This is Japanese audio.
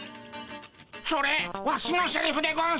それワシのセリフでゴンス。